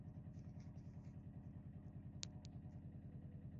wakisafirisha dawa za kulevya silaha ukahaba na mengine mengi